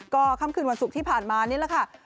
ก็คำคืนวันศุกร์ที่ผ่านมาเนี่ยล่ะนี่ค่ะ